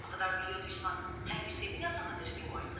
ni ni ni jambo ambalo limewakera wakenya sana na sisi kama